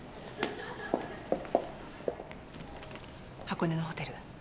箱根のホテル